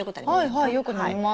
はいはいよく飲みます。